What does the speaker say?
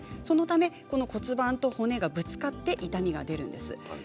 そのため骨盤と骨がぶつかって痛みが出るんです。